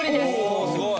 おおすごい！